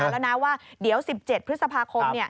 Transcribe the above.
แล้วนะว่าเดี๋ยว๑๗พฤษภาคม